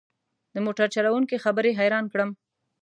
د موټر چلوونکي خبرې حيران کړم.